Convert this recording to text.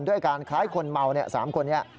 ด้วยการคล้ายคนเมา๓คนนี้